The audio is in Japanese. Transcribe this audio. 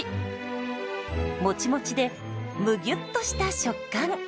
もちもちでむぎゅっとした食感。